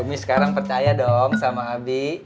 kami sekarang percaya dong sama abi